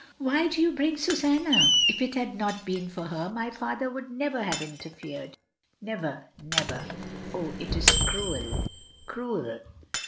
"Why do you bring Susanna? If it had not been for her, my father would never have interfered — never, never. Oh, it is cruel — cruel!"